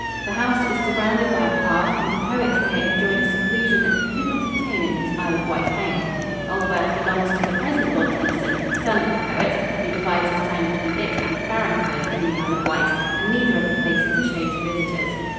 The house is surrounded by a park and the poet here enjoyed a seclusion that he could not obtain in his Isle of Wight home. Aldworth belongs to the present Lord Tennyson, son of the poet, who divides his time between it and Farringford in the Isle of Wight, and neither of the places are shown to visitors.